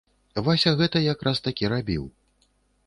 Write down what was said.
Вася гэта як раз такі рабіў.